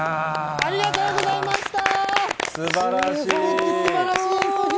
ありがとうございます。